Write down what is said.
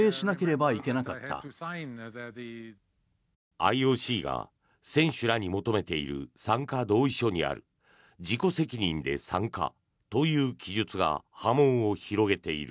ＩＯＣが選手らに求めている参加同意書にある自己責任で参加という記述が波紋を広げている。